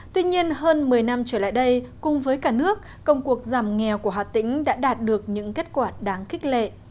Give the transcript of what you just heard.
tuy nhiên hơn một mươi năm trở lại đây cùng với cả nước công cuộc giảm nghèo của hà tĩnh đã đạt được những kết quả đáng khích lệ